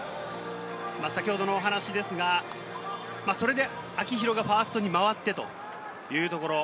先ほどのお話ですが、それで秋広がファーストに回ってというところ。